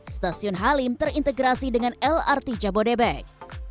stasiun halim terintegrasi dengan lrt jabodebek